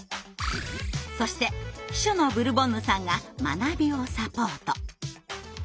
そして秘書のブルボンヌさんが学びをサポート。